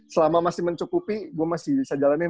selama masih mencukupi gue masih bisa jalanin